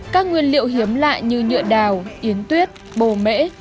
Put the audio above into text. các nguyên liệu hiếm lại như nhựa đào yến tuyết bồ mễ